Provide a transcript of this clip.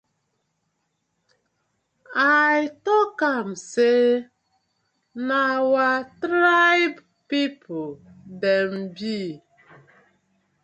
I tok am say na our tribe people dem bi.